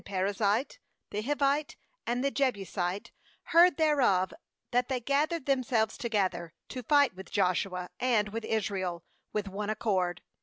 23 Perizzite, the Hivite, and the Jebu site, heard thereof, ^that they gathered themselves together, to fight with Joshua and with Israel, with one ac cord.